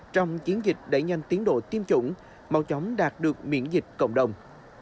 trong chiến dịch đẩy nhanh tiến độ tiêm chủng mau chóng đạt được miễn dịch cộng đồng